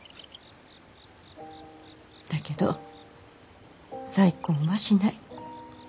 だけど再婚はしない。